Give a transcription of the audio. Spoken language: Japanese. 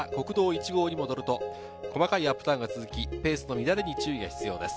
平塚から国道１号に戻ると細かいアップダウンが続き、ペースの乱れに注意が必要です。